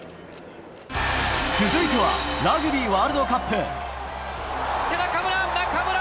続いては、ラグビーワールドカップ。